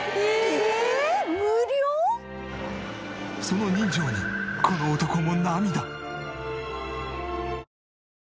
その人情にこの男も涙。